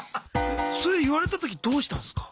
それ言われた時どうしたんすか？